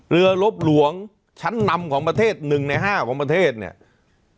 เรือลบหลวงชั้นนำของประเทศหนึ่งในห้าของประเทศเนี่ย